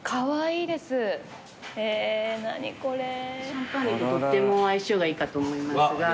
シャンパンにとっても相性がいいかと思いますが。